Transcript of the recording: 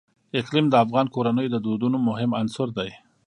اقلیم د افغان کورنیو د دودونو مهم عنصر دی.